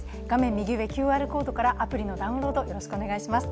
右上、ＱＲコードからアプリのダウンロード、よろしくお願いします。